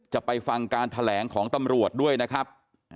จะไปฟังการแถลงของตำรวจด้วยนะครับ